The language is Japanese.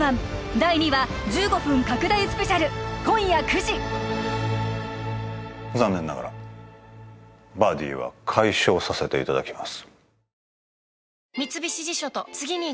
第２話１５分拡大ＳＰ今夜９時残念ながらバディは解消させていただきます